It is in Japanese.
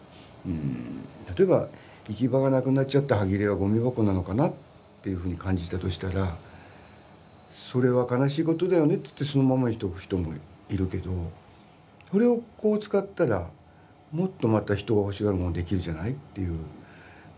例えば行き場がなくなっちゃったはぎれはゴミ箱なのかなっていうふうに感じたとしたらそれは悲しいことだよねっていってそのままにしとく人もいるけどこれをこう使ったらもっとまた人が欲しがるものできるじゃない？っていう。